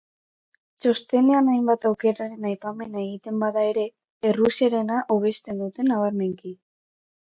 Txostenean hainbat aukeraren aipamena egiten bada ere, Errusiarena hobesten dute nabarmenki.